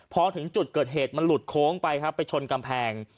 พอถึงจุดเกิดเหตุมันหลุดโค้งไปครับไปชนกำแพง